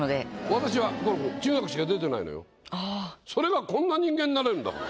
私は心君それがこんな人間になれるんだもん。